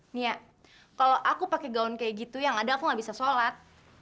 nia kalau aku pakai gaun kayak gitu ya gak ada aku gak bisa sholat